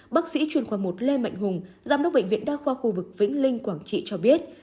bác sĩ chuyên khoa một lê mạnh hùng giám đốc bệnh viện đa khoa khu vực vĩnh linh quảng trị cho biết